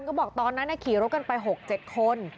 ก็บอกตอนนั้นขี่รถกันไป๖๗คน